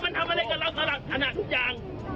อำนาจทั้งทุกอย่าง